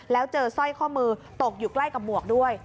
แล้วเจอสร้อยข้อมือตกอยู่ใกล้กับหมวกด้วย